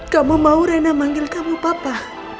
kamu mau rena manggil kamu papa